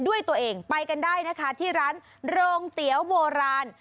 ด้วยตัวเองไปกันได้นะคะที่ร้านโรงเตี๋ยวโบราณ